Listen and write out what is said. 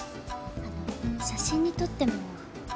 あの写真に撮っても？